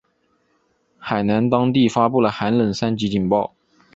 海南当地发布了寒冷三级警报。